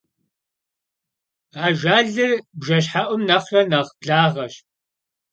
Ajjalır bjjeşhe'um nexhre neh blağeş.